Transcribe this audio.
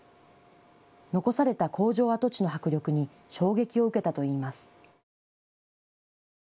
残された工場跡地の迫力に衝撃を受けたといいます。